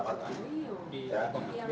gimana saja dirasa ni